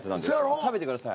食べてください。